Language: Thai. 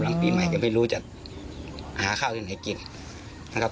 ปีใหม่ก็ไม่รู้จะหาข้าวที่ไหนกินนะครับ